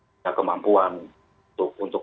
punya kemampuan untuk